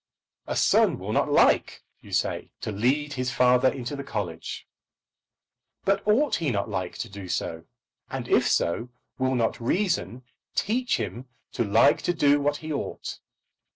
A son will not like, you say, to lead his father into the college. But ought he not to like to do so? and if so, will not reason teach him to like to do what he ought?